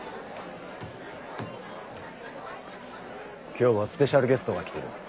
今日はスペシャルゲストが来てる